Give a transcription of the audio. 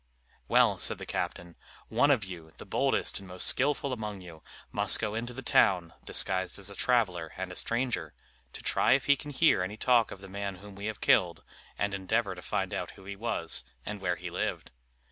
"Well," said the captain, "one of you, the boldest and most skilful among you, must go into the town, disguised as a traveller and a stranger, to try if he can hear any talk of the man whom we have killed, and endeavor to find out who he was, and where he lived.